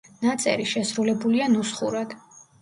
ნაწერი შესრულებულია ნუსხურად.